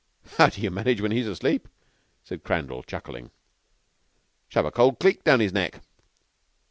"How d'you manage when he's asleep?" said Crandall, chuckling. "Shove a cold cleek down his neck."